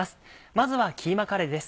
まずはキーマカレーです。